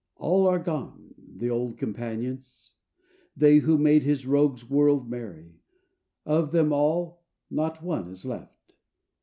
All, all are gone, the old companions they Who made his rogue's world merry: of them all Not one is left.